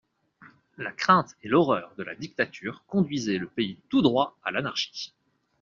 La crainte et l'horreur de la dictature conduisaient le pays tout droit à l'anarchie.